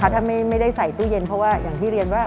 ถ้าไม่ได้ใส่ตู้เย็นเพราะว่าอย่างที่เรียนว่า